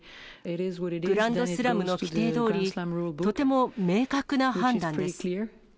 グランドスラムの規定どおり、とても明確な判断です。